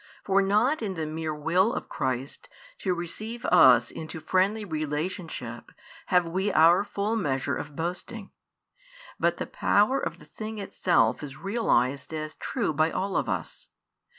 For not in the mere will of Christ to receive us into friendly relationship have we our full measure of boasting, but the power of the thing itself is realised as true by all of us.